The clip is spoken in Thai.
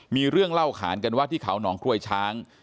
มีเรื่องเล่าขานกันว่าที่เขาหนองกล้วยช้าง